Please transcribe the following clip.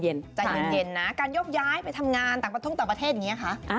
ใจเย็นนะการยกย้ายไปทำงานต่างประเทศอย่างนี้คะ